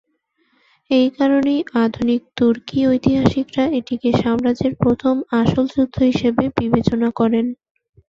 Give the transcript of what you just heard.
এই কারণেই আধুনিক তুর্কি ঐতিহাসিকরা এটিকে সাম্রাজ্যের প্রথম আসল যুদ্ধ হিসাবে বিবেচনা করে।